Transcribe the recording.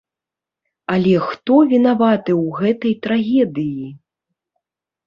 Але хто вінаваты ў гэтай трагедыі?